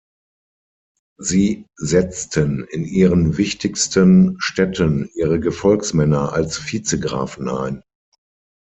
Sie setzten in ihren wichtigsten Städten ihre Gefolgsmänner als Vizegrafen ein.